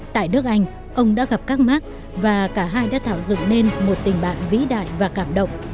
tại nước anh ông đã gặp các mark và cả hai đã thảo dựng nên một tình bạn vĩ đại và cảm động